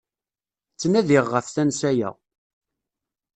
Ttnadiɣ ɣef tansa-ya!